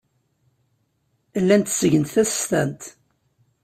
Llant ttgent tasestant.